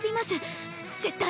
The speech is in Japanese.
絶対！